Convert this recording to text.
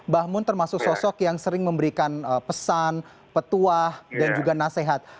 bahmun termasuk sosok yang sering memberikan pesan petuah dan juga nasihat